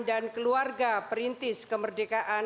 dan keluarga perintis kemerdekaan